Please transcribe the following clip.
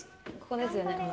ここですよね。